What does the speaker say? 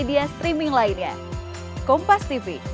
yang lainnya kompas tv